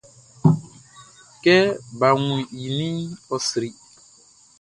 Kɛ baʼn wun i ninʼn, ɔ sri.